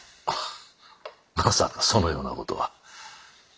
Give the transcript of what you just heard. まさかそのようなことは。